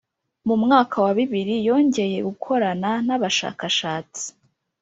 Mu mwaka wa bibiri yongeye gukorana n’abashakashatsi